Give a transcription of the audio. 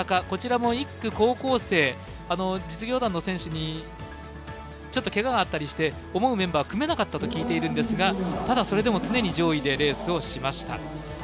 こちらも１区、高校生実業団の選手にちょっとけががあったりして思うメンバーが組めなかったと聞いているんですがただ、それでも常に上位でレースをしました。